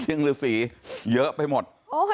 วิ่งลูกศรีเยอะไปหมด